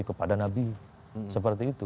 kepada nabi seperti itu